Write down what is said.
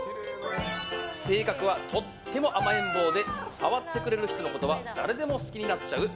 性格は、とっても甘えん坊で触ってくれる人のことは誰でも好きになっちゃう！